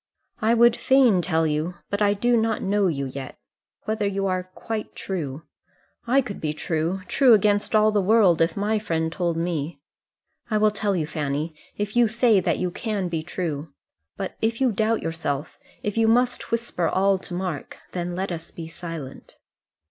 "I would fain tell you, but I do not know you yet, whether you are quite true. I could be true, true against all the world, if my friend told me. I will tell you, Fanny, if you say that you can be true. But if you doubt yourself, if you must whisper all to Mark then let us be silent."